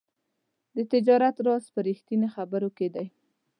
د تجارت راز په رښتیني خبرو کې دی.